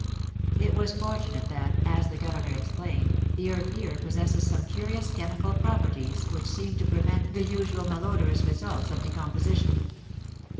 It was fortunate that, as the Governor explained, the earth here possesses some curious chemical properties which seem to prevent the usual malodorous results of decom position.